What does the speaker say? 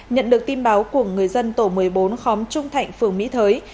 nhận được tin báo của người dân tổ một mươi bốn khóm trung thạnh phường mỹ thới